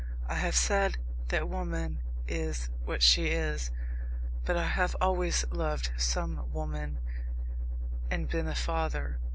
I have said that woman is what she is, but I have always loved some woman, and been a father.